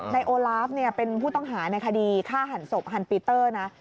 นายโอลาฟเป็นผู้ต้องหาในคดีฆ่าหันศพฮันปีเตอร์นะ